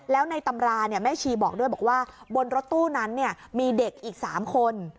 แล้วในตำราแม่ชีบอกด้วยบอกว่าบนรถตู้นั้นมีเด็กอีก๓คน